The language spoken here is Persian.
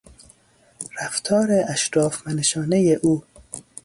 رفتار اشراف منشانهی او